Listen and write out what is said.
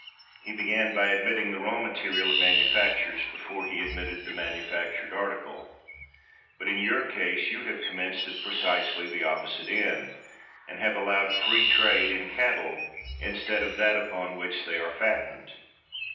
He began by admitting the raw material of manufactures before he admitted the manufactured article; but in your case you have commenced at precisely the opposite end, and have allowed free trade in cattle instead of that upon which they are fattened.